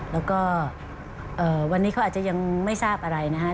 แล้วก็วันนี้เขาอาจจะยังไม่ทราบอะไรนะครับ